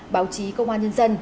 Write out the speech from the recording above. báo chí công an nhân dân